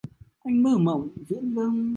Anh mơ mộng viễn vông